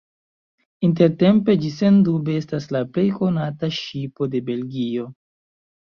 Intertempe ĝi sendube estas la plej konata ŝipo de Belgio.